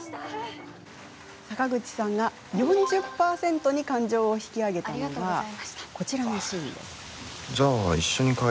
坂口さんが４０％に感情を引き上げたのがこちらのシーン。え！？